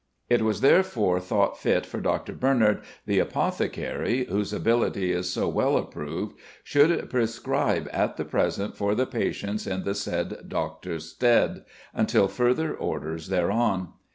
It was therefore thought fit for Dr. Bernard, the apothecary, whose ability is so well approved, should prescribe at the present for the patients in the said doctors' stead, until further orders thereon."